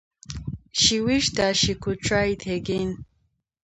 She wished that she could try it again.